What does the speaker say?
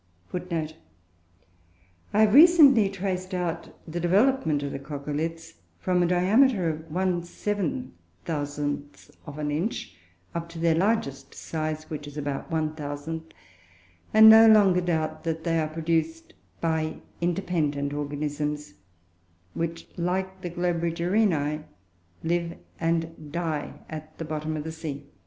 [Footnote 3: I have recently traced out the development of the "coccoliths" from a diameter of 1/7000th of an inch up to their largest size (which is about 1/1000th), and no longer doubt that they are produced by independent organisms, which, like the Globigerinoe, live and die at the bottom of the sea.